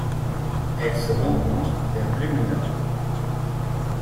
Elle se rencontre vers Blumenau.